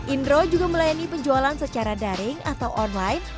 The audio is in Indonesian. indro juga melayani penjualan secara daring atau online